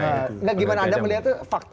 nah gimana anda melihat itu